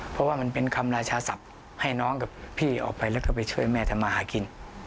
เพราะว่ามันเป็นคำราชาศัพท์ให้น้องกับพี่ออกไปแล้วก็ไปช่วยแม่ทำมาหากิน